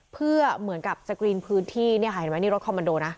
เพื่อเหมือนกับสกรีนพื้นที่เนี่ยค่ะเห็นไหมนี่รถคอมมันโดนะ